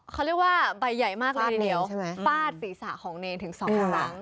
เขาเรียกว่าใบใหญ่มากเลยเดี๋ยวป้าดศีรษะของเนศ์ถึง๒จังหลัง